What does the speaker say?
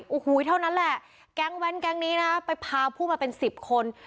โอ้โหเท่านั้นแหละแก๊งแว้นแก๊งนี้นะไปพาผู้มาเป็นสิบคน